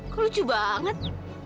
kok lucu banget